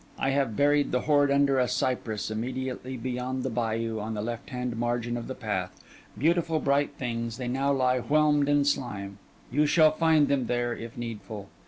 I have buried the hoard under a cypress, immediately beyond the bayou, on the left hand margin of the path; beautiful, bright things, they now lie whelmed in slime; you shall find them there, if needful.